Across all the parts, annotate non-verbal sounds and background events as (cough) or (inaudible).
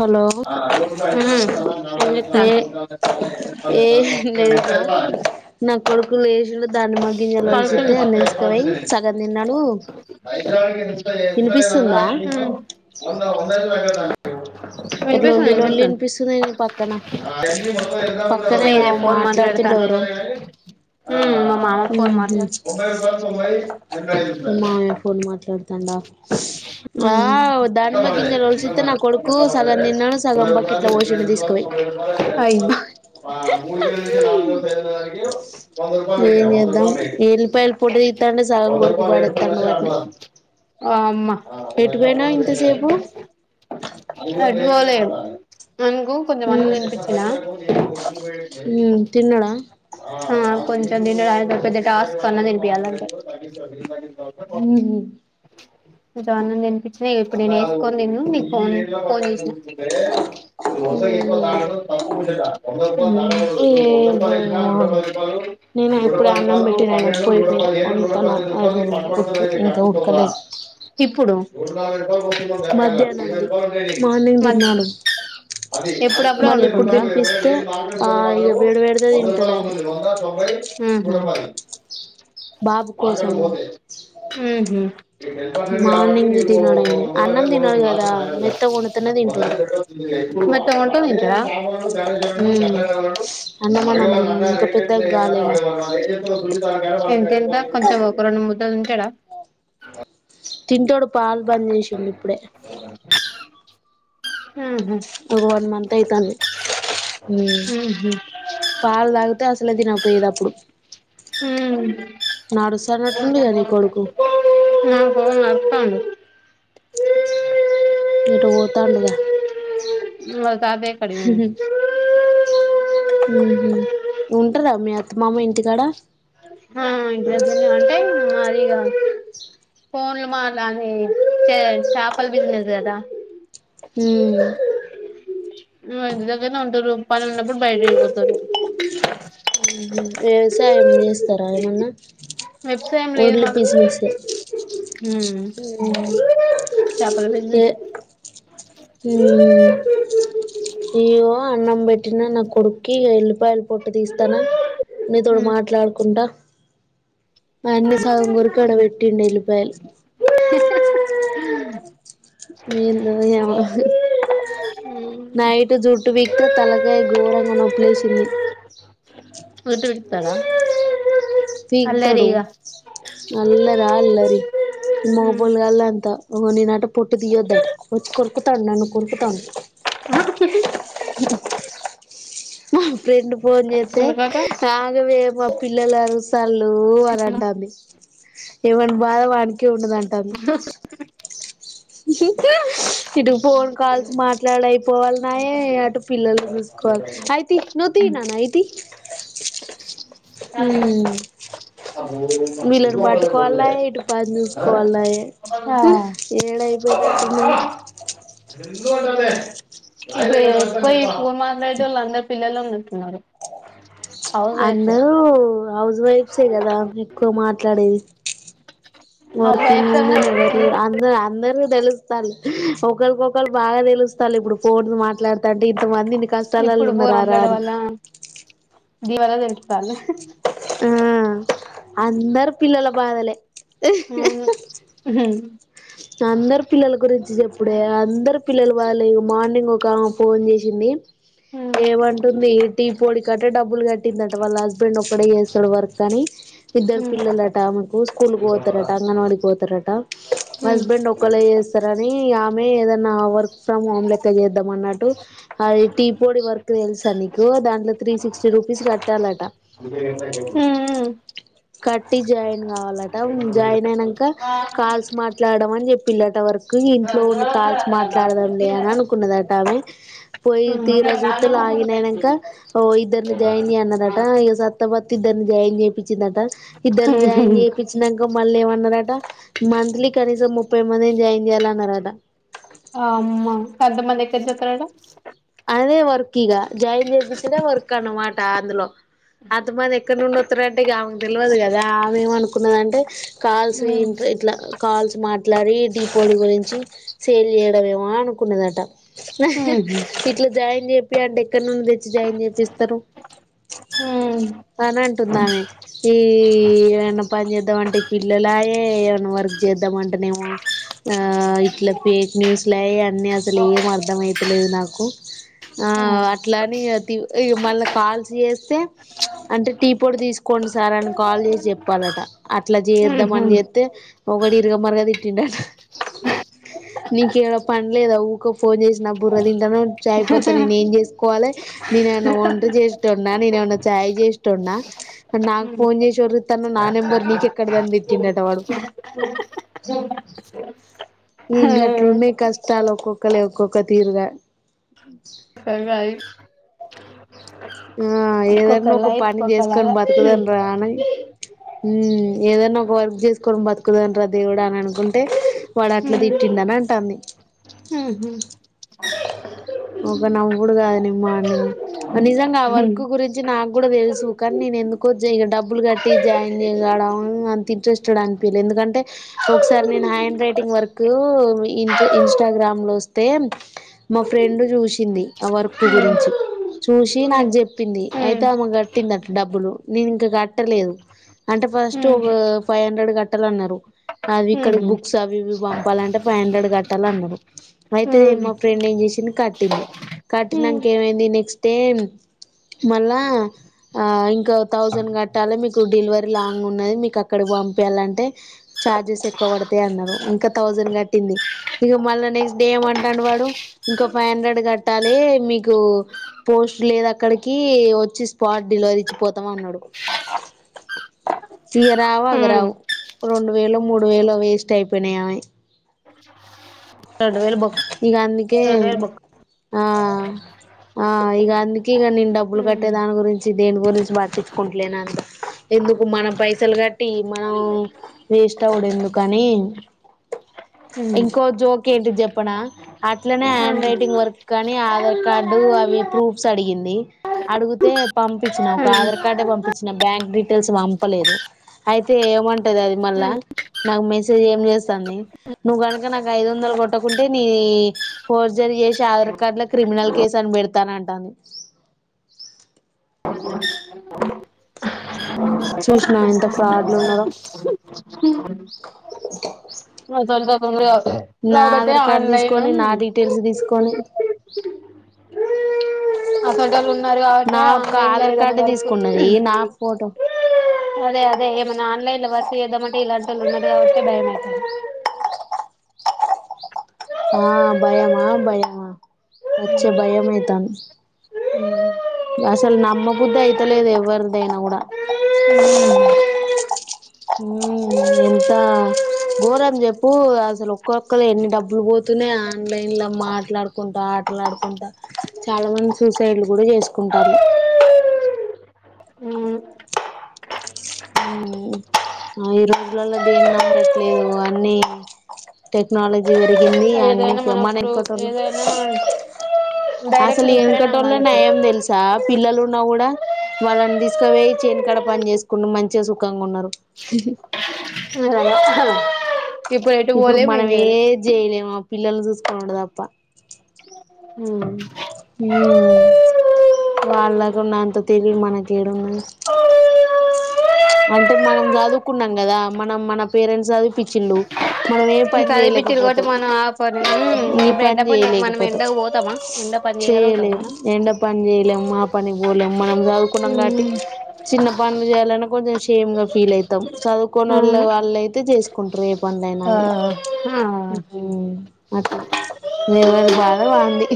Hello ఏ ఏం నా కొడుకు లేచిండు దానిమ్మ గింజలు ఒలిచితే (inaudible) నిలుచుకపోయి సగం తిన్నాడు పడుకున్న వినిపిస్తుందా హ్ ఇట్లా వినిపిస్తుంది. లొల్లి లొల్లి వినిపిస్తుంది. నీ పక్కన పక్కనేమో మాట్లాడుతుండ్లు ఎవరో మామ ఫోన్ ఉహు మాట్లాడ్ మీ మామయ్య ఫోన్ మాట్లాడుతాండా ఆ మ్ దానిమ్మ గింజలు ఒలిచితే నా కొడుకు సగం తిన్నాడు సగం బకెట్ల పోసిండు తీసుకుపోయి (inaudible) ఏం చేద్దాం ఎల్లిపాయల పొట్టు తిత్తాంటే సగం వంద కొరికి పాడేస్తాండ్ వాటిని ఆ అమ్మ ఎటు పోయినావ్ ఇంతసేపు తట్టుకోలేం (inaudible) కొంచం అన్నం ఉమ్ తినిపించినా ఉమ్ తిన్నడా ఆ కొం మొత్తం తిన్నడు ఆయనతో పెద్ద టాస్క్ అన్నం తినిపోయాలంటే హ్ కొంచం అన్నం అనిపించిన ఇగ ఇప్పుడు నేను వేసుకోని తిను నీ ఫోన్ ఫోన్ చేసినా ఉహు ఏందో ఏమో అని నేను ఇప్పుడే అన్నం పెట్టినాను పొయ్యి మీద వండుతాను అది ఉడుకు ఇంకా (unintelligible) ప్పు ఉడకలేదు ప్పుడు మధ్యాహ్నంది మార్నింగ్ తిన్నాడు మళ్ళీ ఇప్పుడు తినిపిస్తే ఆ ఇక వేడి వేడిదే తింటాడు ఆయన బాబు కోసం (unintelligible) హ్ మ్ హ్ మరి (inaudible) (inaudible) మార్నింగ్ తినడు ఆయన అన్నం తినడు కదా మెత్తగా వండితేనే తింటాడు ఉమ్ అన్నం అన్నం తినడు ఇంకా పెద్దగా కాలేగా ఎంత కొంచెం ఒక రెండు మూడు ఇంకేడా చింటోడు పాల్ పని చేసిండు ఇప్పుడే ఉహూ ఫస్ట్ వన్ మంత్ అయితాంది ఉమ్ ఊహు, పాలు తాగితే అసలే తినకపోయేది అప్పుడు ఉమ్ నడుస్తానట్టుండుగా నీ కొడుకు నా ఫోను అవును ఉమ్ ఇటు పోతాండుగా వాళ్ళ తాతయ్య కాడికి పోయిండు. ఉహూ ఉంటారా మీ అత్త మామ ఇంటికాడ ఆ ఇద్దరూ అంటే అదిగా ఫోన్లు మాట్లాడని చే చేపలు బిజినెస్ కదా ఉమ్ ఇద్దరు ఈడనే ఉంటారు పనులు ఉన్నప్పుడు బయటికి వెళ్లిపోతారు. వ్యవసాయం చేస్తారా ఏమన్నా వ్యవసాయం లేదు ఓన్లీ మాకు బిజినెస్సే ఉమ్ చేపల ఏ బిజినెస్ ఉమ్ ఇదిగో అన్నం పెట్టిన నా కొడుక్కి ఎల్లిపాయలు పొట్టు తీస్తానా ఊ. నీతోని మాట్లాడుకుంటా మాయి అన్ని సగం ఊరి కాడ పెట్టిండు ఎల్లిపాయలు ఏందో ఏమో హ నైట్ జుట్టు విగ్గు తలకాయ ఘోరంగా నొప్పి లేసింది నుదటి తల పీకుతాడు నల్ల రాయి అల్లరి మబ్బు గాళ్ళు అంట ఉన్నినట్టు పొట్టు తీయొద్దు అంట ఉంచుకోండి కొడతాంది నన్ను కొరుకుతాంది మా ఫ్రెండు ఫోన్ చేస్తే ఎందుకట ఇప్పుడు ఆగవే మా పిల్లలు అరుస్తారు అని అంటది ఎవని బాధ వానిది చూడనంటాంది జింకాస్ ఇటు ఫోన్ కాల్స్ మాట్లాడ లేకపోయినాయ్ అటు పిల్లలు చూసుకోవాలి అయితే నువ్వు తి నాయనా తి వీళ్ళని పట్టుకోవాలనాయే ఇటు పని చూసుకోవాలనాయే దాన్నారు అదే అ స్ మ లాందా పిల తున్నారుారు అంద హౌస్ వైఫ్సే కదా ఎక్కువ మాట్లాడేది హౌస్ వర్కింగ్ వైఫ్స్ అన్నా ఉమెన్ ఎవరు అందరు అందరు తెలుస్తా ఒకరికొళ్రు బాగా తెలుస్తారు ఇప్పుడు పోడు మాట్లాడుతా అంటే ఇంత మంది ఇన్ని కష్టాలల్లో ఇప్పుడు ఉన్నారారా అని దివాల తెస్తాల ఆ అందరి పిల్లల బాగాలే అవు అందరు పిల్లల గురించి చెప్పుడే అందరు పిల్లలు వాళ్ళు మార్నింగ్ ఒక ఫోన్ చేసింది హ్మ్. హ్మ్. ఏమంటుంది టీ పొడి కట్టా డబ్బులు కట్టిందట వాళ్ళ హస్బెండ్ ఒక్కడే చేస్తాడు వర్క్ అని ఇద్దరు హ్మ్. పిల్లలట మాకు స్కూల్కి పోతారట హ్మ్. అంగన్వాడకి పోతారట హ్మ్. హస్బెండ్ ఒకళ్ళ చేస్తారని మ ఏద నా వర్క్ ఫ్రమ్ హోమ్ లేెకద ద్దం అన్నట్టు అది టీ పోడి వరకు తెలుసా న ఎక్వ దాంట్లో త్రీ సిక్స్టీ రూపీస్ కట్టాలట హ కటి జయి కావాలట జాయిన్ అయినాక కాల్స్ మాట్లాడడం అని చెప్పిళట వరకు ఇంట్లో ఉండి కాల్స్ మాట్లాడడం లే అని అనుకున్నదట ఆమె పోయి తీర సుతులు ఆగినయనాకఓ ఇద్దరిని జాయిన్ చేయ్య అన్నారట సత్తబతిద్దని జాయిన్ చేయిించిందట ఇద్దరుని జాయిన్ హ్మ్. చేయిించినాక మళ్ళీమ న్నరాట మంత్లీ కనీసం ముప్పై మంది జాయిన్ చేయాలన్నరాట అమ్ కంతమంది ఎక్కడ చెతుారడా అదే వర్క్ ఇక జాయిన్ చేపిచిన వర్క్ క్క అనమాట అందులో అది మంది ఎక్కడ నుడి వతురంటేగావ తెలియదు కదా ఆమె ఏమ అనుకున్నదింటే కాల్స్ ఇ హ్మ్. ఇట్లా కాల్స్ మాట్లాడి దీపావళి గురించి సేల్ చేయడేమో అనుకున్నదట న హుహు. ఇట్లా జాయిన్ చెప్పి అంటే ఎక్కడ నుం తెచ్చి జాయిన్ చేసిస్తారు హ్మ్. అని అంటుంద ఆమె ఈ ఏమన్నా పని చేద్దాం అంటే ఈ పిల్లలాయ ఏమన్నా వర్క్ చేద్దాంంటే ఇ అన్నన్ని అసలు ఏం అర్థం అయితలేదు నాకు కు ఆ అట్లాని మళ్ళీ కాల్స్ చేస్తే అంటే టీ పొడ్ తీసుకోండి సార్ అని కాల్ చేసి చెప్పాలట అట్లా చేద్దాం హుహు. అని చేస్తే ఒకటి ఇరగమరగ తిట్టింటడు నీక ఏవడ పనిలేదా ఊకో ఫోన్ చేసిన బుర్ర త దమ యిపోతే నేను ఏం చేసుకోవాలి నేనన్న వంట చేస నేనుమన్న చాయ్ చేస్ ఉన్నా నాకు హ్మ్. ఫోన్ చే తన నా నెంబర్ నీకెక్కడదాన్ని తిట్టిండట వాడు ఇంకా అట్లుండే కష్టం తను ఒక్కొక్కలే ఒక్కొక్క తీరుగా సర కాయి ఆ ఒక్కొక్క ఏదన్నా ఒక లైఫ్ పని చేసుకని ఒక్కొక్కలాగా హ్మ్. బతుకదండ రా అన ఏదనా ఒక వర్క్ చేసుకోవడం బతుకుదంటరా దేవుడ అని అనుకుంటే వాడ అట్లా తిట్టిం అని అంటాంది హ ఒకకా నవుడు కాదులిమా నిజంగా ఆ హ్మ్. వర్క్ గురించి నా (inaudible) ఫ్రెండ్ చూసింది ఆ వర్క్ హ్మ్. గురించి చూసి హ్మ్. నాకు చెప్పింది అయితే హ్మ్. ఆమె కట్టింది అట డబ్బులు నేను ఇంక కట్టలేదు అంటే ఫస్ట్ ఒక ఫైవ్ హండ్రెడ్ కట్టాలన్నారు అది ఇక్కడికి రెండు బుక్స్ అవి ఇవి పంపాలంటే ఫైవ్ హండ్రెడ్ కట్టాలన్నారు అయితే మా ఫ్రెండ్ ఏం చేసి కట్టింది కట్టినాక ఏమైంది నెక్స్ట్ డే మళ్ళా ఇంకా థౌసండ్ కట్టాలి మీకు డెలివరీ లాంగ్ ఉన్నది మీకు అక్కడకి పంపయాలంటే చార్జెస్ ఎక్కువ పడతాయి అన్నారు ఇంకా థౌసండ్ కట్టింది ఇక మళ్ళ నెక్స్ట్ డే ఏమంటాను వాడు ఇంకో ఫైవ్ హండ్రెడ్ కట్టాలి మీకు పోస్ట్ లేదు అక్కడికి వచ్చి స్పాట్ డెలివరీ ఇచ్చి పోతాం అన్నాడు ఇగరావు అగరావు రెండు వేలు మూడు వేలో వేస్ట్ అయిపోయినాయి అవి రెండు వేలు బక్ ఇగ అందుకే రెండు వేల బక్ ఆ ఆ ఇక అందుకే ఇక నేను డబ్బులు కట్టే దాని గురించి దేని గురించి పట్టించుకుంటలేనుని ఎందుకు మన పైసలు కట్టి మనం వేస్ట్ అవ్వడు ఎందుకని ఇంకో జో ఏంటి చెప్పనా అట్లనే హ్యాండ్ రైటింగ్ వర్క్ కానీ ఆధార్ కార్డు అవి ప్రూఫ్స్ అడిగింది అడిగితే పంపించిన ఒక ఆధార్ కార్డే పంపించిన బ్యాంక్ డీటెయిల్స్ పంపలేదు అయితే ఏమంటది అది మళ్ళ నాకు మెసేజ్ ఏం చేస్తుంది నువ్వు కనుక నాకు ఐ వంద కొట్టకుంటే నీ ఫోర్స్ జరి చేసి ఆధార్ కార్డు లో క్రిమినల్ కేసు అని పెడతాన అంటాను చూసినా ఎంత ఫ్రాడ్లు ఉన్నారో చ కొ నా ఆధార్ కార్డ్ తీసుకొని నా డీటెయిల్స్ తీసుకొని అ అ మ ఆట నా యొక్క ఆలైన్ ఆధార్ ఏదనా కార్డే వర్క్ తీసుకున్నది నా ఫోటో అదే అదే ఏమ ఆన్లై లో వర్క్ చేద్దామంటే ఇలాంటోళ్లు ఉన్నరు కావట్టే భయమై ఆ భయమా భయమా సచ్చే భయమైతంది ఉమ్ అసలు నమ్మబుధి అయితలేదు ఎవరిదైనా కూడా ఊ ఎంత ఘోరం జెప్పు అసలు ఒక్కొక్కలియి ఎన్ని డబ్బులు పోతున్నయి ఆన్లైన్ లో మాట్లాడుకుంటా ఆటలాడుకుంటా చాలా మంది సూసైడ్లు కూడా చేసుకుంటండ్లు ఊ ఈ రోజులలో దేన్ని నమ్మడట్లేదు అన్నీ టెక్నాలజీ పెరిగి ఎంది ఏదైనా మనం ఇప్పుడు (unintelligible) కట్టర్లా ఏదైనా మనం డైరెక్ట్ అసలు ఈ చూస్తేనే ఎనకటోల్లె నమ్మాలి ఇప్పుడు నయం తెలుసా పిల్లలు ఉన్నా కూడా వాళ్ళని తీసుకవోయి చేను కడ పని చేసుకుంట మంచిగా సుఖంగా ఉన్నారు హే హే ఎటు ఇప్పుడు పోలేం మనం ఏం ఏద్ జేయలేము పిల్లల్ను సూస్కోనుడు తప్ప ఉ ఊ వాళ్ళకున్నంత తెలివి మనకు ఏడున్నది అంటే మనం చదువుకున్నం కదా మనం మన పేరెంట్స్ చదివిపిఛ్చిళ్ళు ఇంకా చదివిపించుర్రు కాట్టి మనం ఆ ఏ బెండ పని మనం చేయలేకపోతాం ఎండకు పోతమ ఎండ ప చేయలేం ఎండపని చేయలేం మా పనికి బోలేం మనం చదువుకున్నాం కాబట్టి చిన్న పనులు చేయాలన్నా కొంచెం సేమ్ గా ఫీల్ అయితం చదువుకోనోళ్ల అవును వాళ్ళయితే చేసుకుంటారు పనులు ఆ అయినవి ఊ అట్లా ఎవరి బాద వంది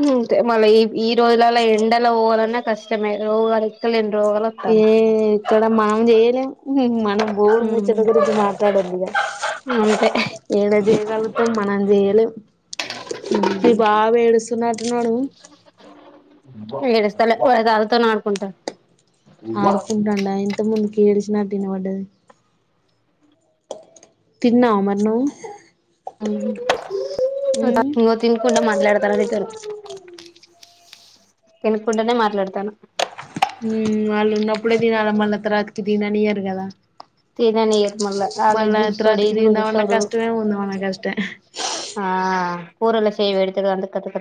అంతే మళ్ల ఈ ఈ రోజులల్ల ఎండల పోవాలన్నా కష్టమే రోజూ అడుగుతలేను రోగాలు ఏ వస్తున్నాయి ఇక్కడ మనం చెయలేం హు మనం గోడు ముచ్చట గురించి మాట్లాద్దు ఇగా అంతే ఏడ చేయగలుగుతాం మనం చేయలేం మీ బాబేడుస స్తున్నట్టు ఉన్నాడు ఏడుస్తలే వాళ్ల తాతతో ఆడుకుంటా ఆడుకుంటండా ఇంత ముందు ఏడ్చినట్లు వినబడ్డది తిన్నవ మరి నువ్వు మ్మ్ తినకుండా మానే డుతారు తనుకుంటానే మాట్లాడతాను. వాలు నప్పుడ దినాల మన త రాత్ర కిదినానియరు కదా తిననియర్ మళ్ళ ఆజ మళ్ళా గుజస్తాడు తర్వాతకి ఇది తిందామన్నా గుస్తాడు కష్టమే ఉందామన్నా కష్టమే ఆ పోరుల చేవ ఎడుతు అంత కతు క